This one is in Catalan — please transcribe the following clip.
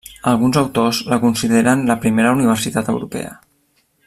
Alguns autors la consideren la primera universitat europea.